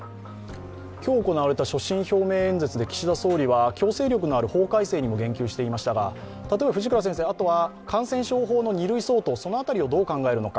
今日行われた所信表明演説で岸田総理は強制力のある法改正にも言及していましたが、あとは感染症法の２類相当をどう考えていくのか。